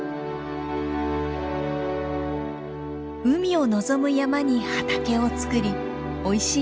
海を望む山に畑を作りおいしい